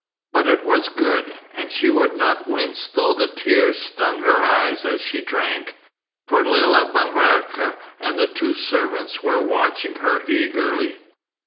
But it was good, and she would not wince though the tears stung her eyes as she drank, for Lella M'Barka and the two servants were watching her eagerly.